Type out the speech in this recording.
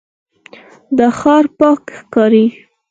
دا ښار پاک ښکاري.